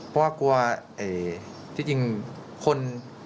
เพราะว่ากลัวทีนี้คน